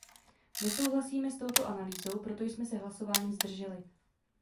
Nesouhlasíme s touto analýzou, proto jsme se hlasování zdrželi.